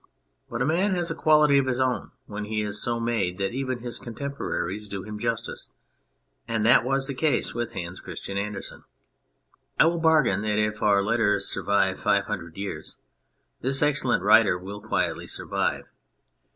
But a man has a quality of his own when he is so made that even his contemporaries do him justice, and that was the case with Hans Christian Andersen. I will bargain that if our letters survive five hundred years, this excellent writer will quietly survive.